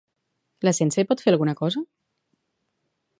La ciència hi pot fer alguna cosa?